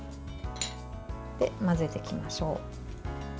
混ぜていきましょう。